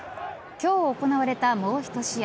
今日、行われたもうひと試合。